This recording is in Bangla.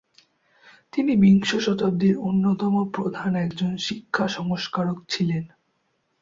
তিনি বিংশ শতাব্দীর অন্যতম প্রধান একজন শিক্ষা সংস্কারক ছিলেন।